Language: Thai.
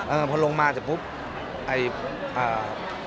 เออพอลงมาตัดพุกไออ่า